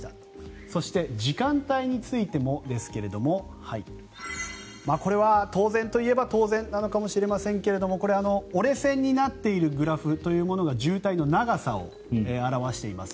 そして時間帯についてもですがこれは当然といえば当然なのかもしれませんがこれ、折れ線になっているグラフというものが渋滞の長さを表しています。